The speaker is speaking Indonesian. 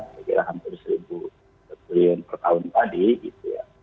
sekitar hampir rp satu per tahun tadi